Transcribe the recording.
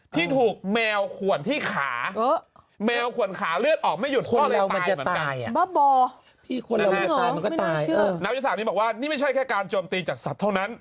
ที่ถูกแมวขวนที่ขา